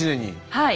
はい。